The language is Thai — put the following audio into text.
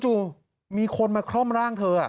มีคนมาคล่อมร่างเธอ